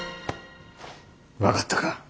分かったか？